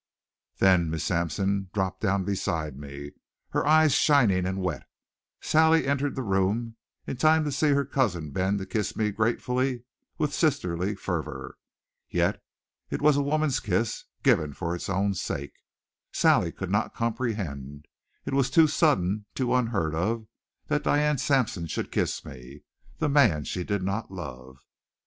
Then, as Miss Sampson dropped down beside me, her eyes shining and wet, Sally entered the room in time to see her cousin bend to kiss me gratefully with sisterly fervor. Yet it was a woman's kiss, given for its own sake. Sally could not comprehend; it was too sudden, too unheard of, that Diane Sampson should kiss me, the man she did not love.